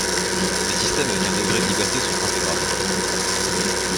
les système avec un degré de liberté sont intégrables